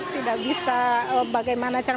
tidak bisa bagaimana cara